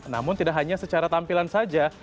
namun tidak hanya secara tampilan saja